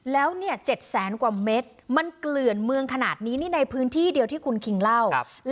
แล้วเนี่ย๗แสนกว่าเม็ดมันเกลื่อนเมืองขนาดนี้นี่ในพื้นที่เดียวที่คุณคิงเล่า